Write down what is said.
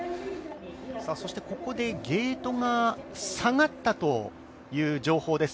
ここでゲートが下がったという情報です。